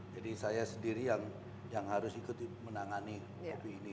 jadi saya sendiri yang harus ikut menangani kopi ini